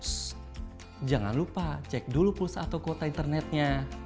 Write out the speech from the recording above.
terus jangan lupa cek dulu pulsa atau kuota internetnya